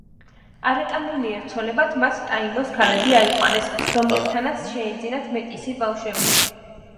არაკანონიერ ცოლებად მათ ტაინოს ქალები აიყვანეს, რომლებთანაც შეეძინათ მეტისი ბავშვები.